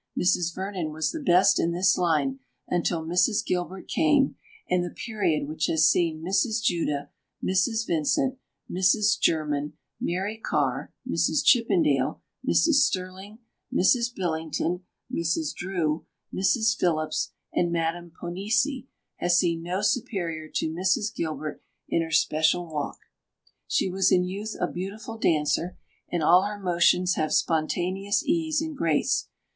Mrs. Vernon was the best in this line until Mrs. Gilbert came; and the period which has seen Mrs. Judah, Mrs. Vincent, Mrs. Germon, Mary Carr, Mrs. Chippendale, Mrs. Stirling, Mrs. Billington, Mrs. Drew, Mrs. Phillips, and Madam Ponisi, has seen no superior to Mrs. Gilbert in her special walk. She was in youth a beautiful dancer, and all her motions have spontaneous ease and grace.